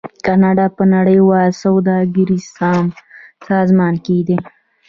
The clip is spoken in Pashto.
کاناډا په نړیوال سوداګریز سازمان کې دی.